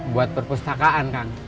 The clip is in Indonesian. buat perpustakaan kang